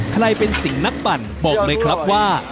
ใครเป็นสิ่งนักปั่นบอกเลยครับว่า